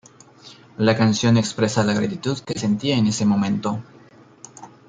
La canción expresa la gratitud que sentía en ese momento.